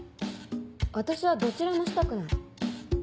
私はどちらもしたくない。